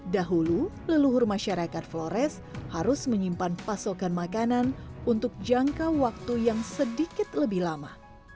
dahulu leluhur masyarakat flores harus menyimpan pasokan makanan untuk jangka waktu yang sedikit lebih lama